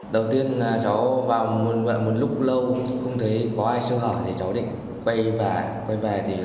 lúc lâu không thấy có ai sơ hỏi thì cháu định quay về